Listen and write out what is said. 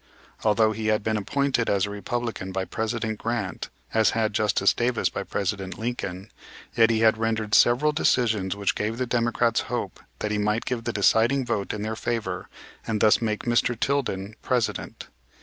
Although he had been appointed as a Republican by President Grant, as had Justice Davis by President Lincoln, yet he had rendered several decisions which gave the Democrats hope that he might give the deciding vote in their favor and thus make Mr. Tilden President.